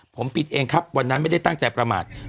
ผมปิดเองครับวันนั้นไม่ได้ตั้งใจประมาท